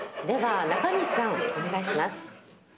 では、中西さん、お願いします。